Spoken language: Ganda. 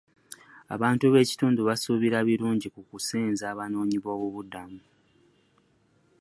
Abantu b'ekitundu basuubira birungi ku kusenza abanoonyiboobubudamu.